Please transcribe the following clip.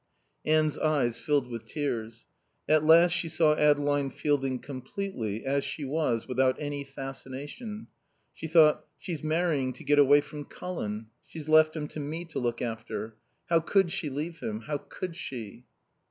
Anne's eyes filled with tears. At last she saw Adeline Fielding completely, as she was, without any fascination. She thought: "She's marrying to get away from Colin. She's left him to me to look after. How could she leave him? How could she?"